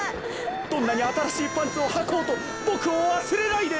どんなにあたらしいパンツをはこうとボクをわすれないで。